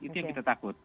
itu yang kita takut